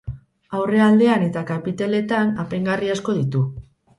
Aurrealdean eta kapiteletan apaingarri asko ditu.